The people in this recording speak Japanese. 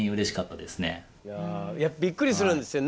びっくりするんですね。